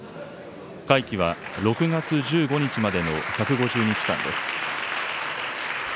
会期は６月１５日までの１５０日間です。